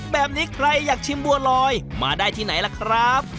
แบบนี้ใครอยากชิมบัวลอยมาได้ที่ไหนล่ะครับ